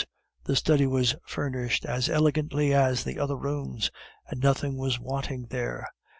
The study was furnished as elegantly as the other rooms, and nothing was wanting there.